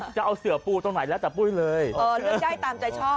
จะเอาเสือปูตรงไหนแล้วแต่ปุ้ยเลยเออเลือกได้ตามใจชอบ